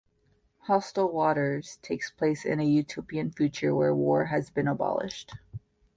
"Hostile Waters" takes place in a utopian future where war has been abolished.